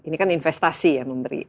ini kan investasi ya memberi